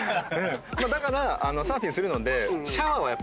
だからサーフィンするので。